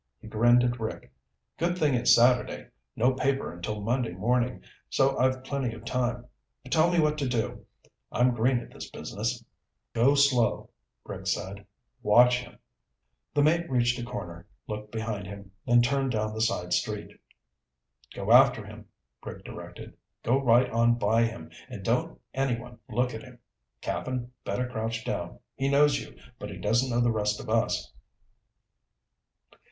He grinned at Rick. "Good thing it's Saturday. No paper until Monday morning, so I've plenty of time. But tell me what to do. I'm green at this business." "Go slow," Rick said. "Watch him." The mate reached a corner, looked behind him, then turned down the side street. "Go after him," Rick directed. "Go right on by him and don't anyone look at him. Cap'n, better crouch down. He knows you, but he doesn't know the rest of us."